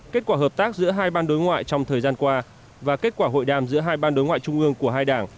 kết quả hợp tác giữa hai ban đối ngoại trong thời gian qua và kết quả hội đàm giữa hai ban đối ngoại trung ương của hai đảng